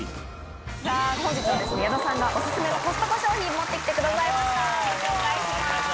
本日は矢田さんがお勧めのコストコ商品、持ってきてくださいました。